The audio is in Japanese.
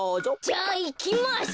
じゃあいきます！